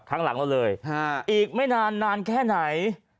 ครั้งหลังเราเลยอีกไม่นานนานแค่ไหน